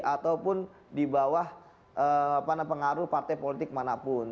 ataupun di bawah pengaruh partai politik manapun